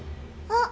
あっ。